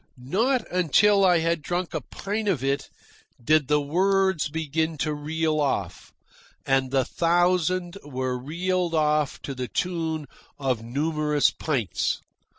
Not until I had drunk a pint of it did the words begin to reel off, and the thousand were reeled off to the tune of numerous pints.